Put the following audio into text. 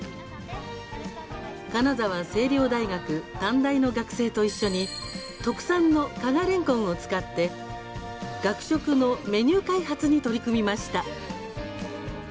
金沢星稜大学短大の学生と一緒に特産の加賀れんこんを使って学食のメニュー開発に取り組みました。